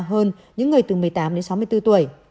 hơn những người từ một mươi tám đến sáu mươi bốn tuổi